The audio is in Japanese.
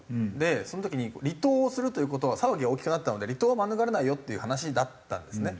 その時に離党をするという事は騒ぎが大きくなったので離党は免れないよっていう話だったんですね。